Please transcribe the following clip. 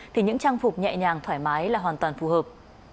thì những trang phục nhẹ nhàng thoải mái là hoàn toàn phù hợp